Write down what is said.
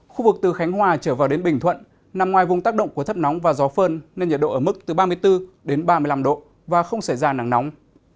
khu vực từ khánh hòa trở vào đến bình thuận nằm ngoài vùng tác động của thấp nóng và gió phơn nên nhiệt độ ở mức từ ba mươi bốn đến ba mươi năm độ và không xảy ra nắng nóng